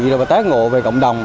rồi tác ngộ về cộng đồng